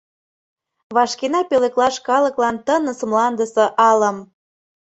Вашкена пӧлеклаш Калыклан тыныс мландысе алым.